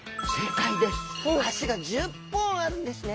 脚が１０本あるんですね！